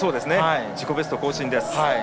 自己ベスト更新です。